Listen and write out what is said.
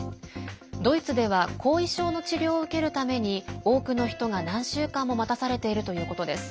ドイツでは後遺症の治療を受けるために多くの人が何週間も待たされているということです。